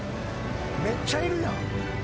めっちゃいるやん！